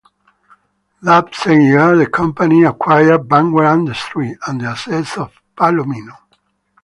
That same year, the company acquired Vanguard Industries and the assets of Palomino.